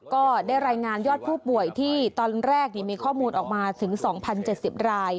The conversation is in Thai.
ก็ได้รายงานยอดผู้ป่วยที่ตอนแรกมีข้อมูลออกมาถึง๒๐๗๐ราย